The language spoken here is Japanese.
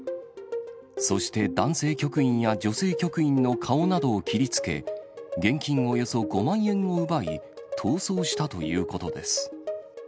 そして、男性局員や女性局員の顔などを切りつけ、現金およそ５万円を奪い、逃走したということです。